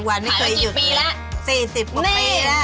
๔๐กว่าปีแล้ว